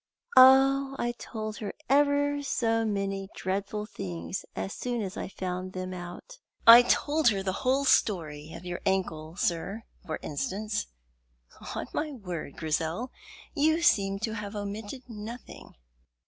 "Oh, I told her ever so many dreadful things as soon as I found them out. I told her the whole story of your ankle, sir, for instance." "On my word, Grizel, you seem to have omitted nothing!"